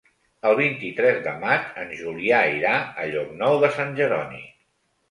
El vint-i-tres de maig en Julià irà a Llocnou de Sant Jeroni.